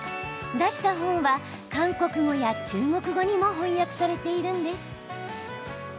出した本は、韓国語や中国語にも翻訳されているんです。